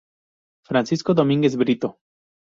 Francisco Domínguez Brito.